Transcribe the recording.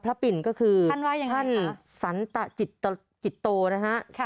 พระปิ่นก็คือท่านว่าอย่างไรครับท่านสันตะจิตโตนะฮะค่ะ